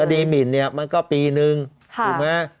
คดีมินมันก็ปีหนึ่งถูกไหม